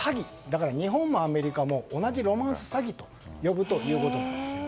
だから日本もアメリカも同じロマンス詐欺と呼ぶということです。